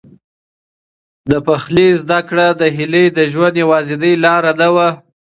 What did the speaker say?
د پخلي زده کړه د هیلې د ژوند یوازینۍ لاره نه وه.